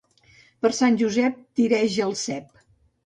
Per Sant Josep tireja el cep.